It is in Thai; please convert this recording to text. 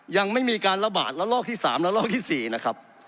ยังไม่มีการระบาดระลอกที่๓และลอกที่๔นะครับ